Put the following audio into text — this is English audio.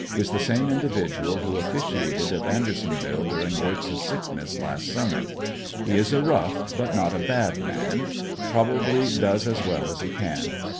Is the same individual who officiated at Andersonville during Wirtz's sickness last summer. He is a rough but not a bad man Probably does as well as he can.